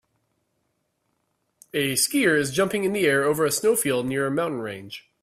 A skier is jumping in the air over a snowfield near a mountain range